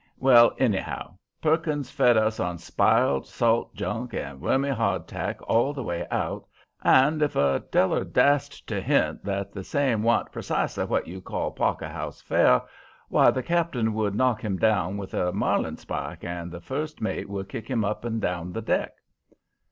Well, anyhow, Perkins fed us on spiled salt junk and wormy hard tack all the way out, and if a feller dast to hint that the same wa'n't precisely what you'd call Parker House fare, why the skipper would knock him down with a marline spike and the first mate would kick him up and down the deck.